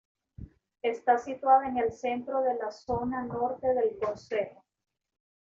Está situada en el centro de la zona norte del concejo.